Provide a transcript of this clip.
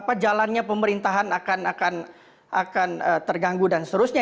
pengalannya pemerintahan akan terganggu dan seterusnya